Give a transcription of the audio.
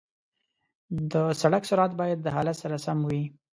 د سړک سرعت باید د حالت سره سم وي.